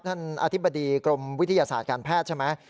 อธิบดีกรมวิทยาศาสตร์การแพทย์ใช่ไหม